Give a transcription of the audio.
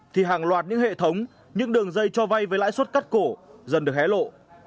thì hàng loạt những hệ thống những đường dây cho vay với lãi suất cắt cổ dần được hé lộ